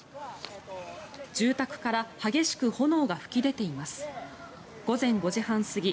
住宅から激しく炎が噴き出ています。